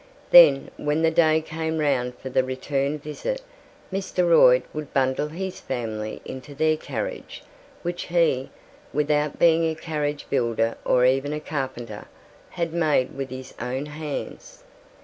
Then, when the day came round for the return visit, Mr. Royd would bundle his family into their "carriage," which he, without being a carriage builder or even a carpenter, had made with his own hands.